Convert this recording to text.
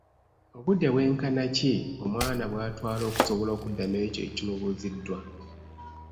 Obudde bwenkana ki omwana bw’atwala okusobola okuddamu ekyo ekimubuuzidwa?